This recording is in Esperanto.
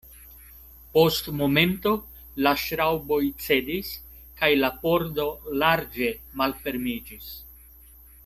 Post momento la ŝraŭboj cedis, kaj la pordo larĝe malfermiĝis.